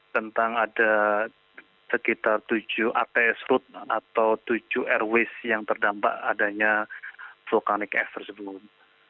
tentang ada sekitar tujuh ats root atau tujuh airways yang terdampak adanya vulkanik f tersebut